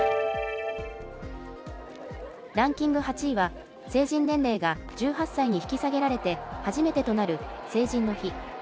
ランキング８位は、成人年齢が１８歳に引き下げられて初めてとなる成人の日。